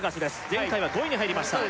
前回は５位に入りました